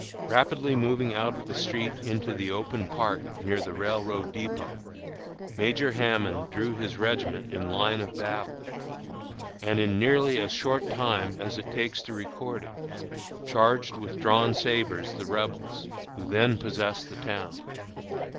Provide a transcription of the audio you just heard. Rapidly moving out of the street into the open park near the railroad dépôt, Major Hammond drew his regiment in line of battle, and in nearly as short time as it takes to record it, charged with drawn sabres the Rebels, who then possessed the town.